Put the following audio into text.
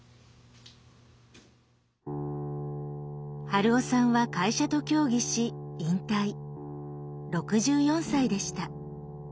春雄さんは会社と協議し６４歳でした。